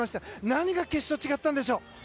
何が決勝、違ったんでしょう？